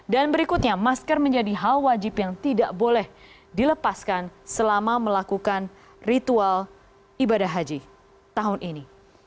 dan berikutnya masker menjadi hal wajib yang tidak boleh dilepaskan selama melakukan ritual ibadah haji tahun ini